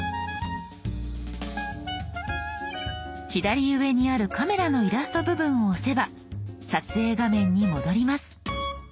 左上にあるカメラのイラスト部分を押せば撮影画面に戻ります。